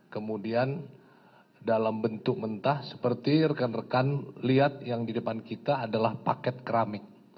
kemudian dalam bentuk mentah seperti rekan rekan lihat yang di depan kita adalah paket keramik